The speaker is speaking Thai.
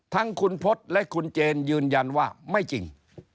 ทั้งคุณพฤษและคุณเจนยืนยันว่าไม่จริง